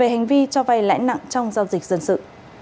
nặng trong giao dịch dân sự